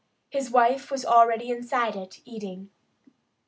His wife was already inside it, eating.